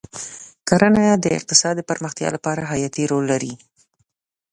کرنه د اقتصاد د پراختیا لپاره حیاتي رول لري.